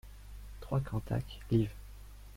trois Cantac, liv.